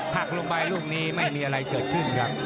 หลักลงใบร่วมนี้ไม่มีอะไรเกิดขึ้นค่ะ